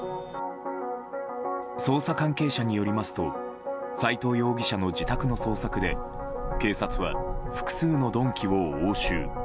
捜査関係者によりますと斎藤容疑者の自宅の捜索で警察は複数の鈍器を押収。